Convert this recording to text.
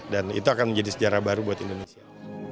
dan itu akan menjadi sejarah baru buat indonesia